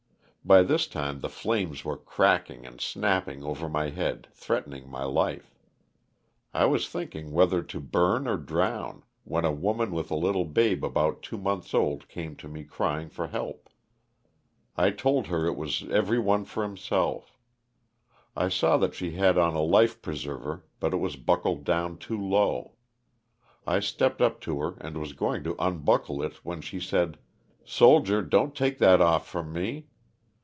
By this time the flames were cracking and snapping over my head, threatening ray life. I was thinking whether to burn or drown, when a woman with a little babe about two months old came to me crying for help. I told her it was every one for himself. 1 saw LOSS OF THE SULTANA. 137 that she had on a life pereserver but it was buckled down too low. I stepped up to her and was going to unbuckle it, when she said, '^ Soldier, don't take that oil from me.''